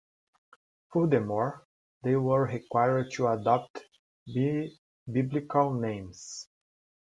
Furthermore, they were required to adopt biblical names.